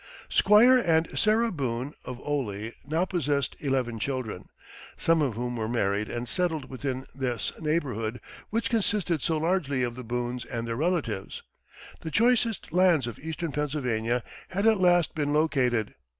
Squire and Sarah Boone, of Oley, now possessed eleven children, some of whom were married and settled within this neighborhood which consisted so largely of the Boones and their relatives. The choicest lands of eastern Pennsylvania had at last been located.